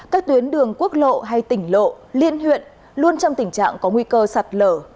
các tuyến đường quốc lộ hay tỉnh lộ liên huyện luôn trong tình trạng có nguy cơ sạt lở